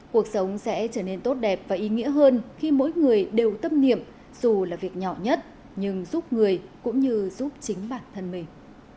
cuộc sống sẽ trở nên tốt đẹp và ý nghĩa hơn khi mỗi người đều tâm niệm dù là việc nhỏ nhất nhưng giúp người cũng như giúp chính bản thân mình